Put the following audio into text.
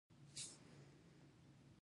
د لمر راختو ته کتل یو خوږ خوند لري.